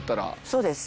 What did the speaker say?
そうです。